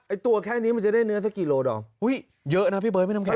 ไอ้ตัวแค่นี้มันจะได้เนื้อเท่ากี่โลด่ออุ้ยเยอะนะพี่เบิร์ดไม่น้ำแข็ง